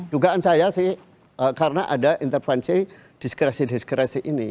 dugaan saya sih karena ada intervensi diskresi diskresi ini